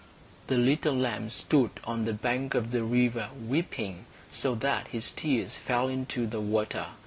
] The little white lamb stood on the bank of the river weeping, so that his tears fell into the water.